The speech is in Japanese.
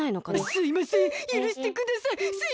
すいませんゆるしてください。